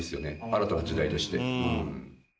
新たな時代として。